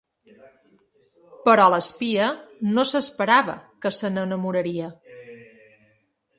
Però l’espia no s’esperava que se n’enamoraria.